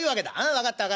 分かった分かった。